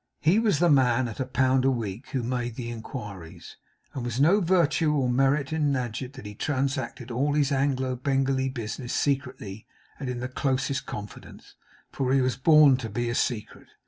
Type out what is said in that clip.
He was the man at a pound a week who made the inquiries. It was no virtue or merit in Nadgett that he transacted all his Anglo Bengalee business secretly and in the closest confidence; for he was born to be a secret.